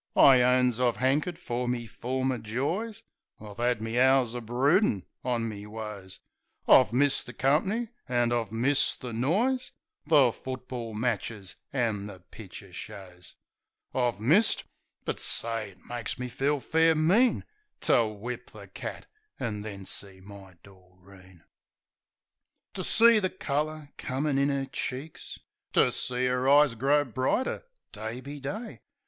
I owns I've 'ankered fer me former joys; I've 'ad me hours o' broodin' on me woes ; I've missed the comp'ny, an' I've missed the noise, The football matches an' the picter shows. I've missed — ^but, say, it makes me feel fair mean To whip the cat; an' then see my Doreen. To see the colour comin' in 'er cheeks, To see 'er eyes grow brighter day be day.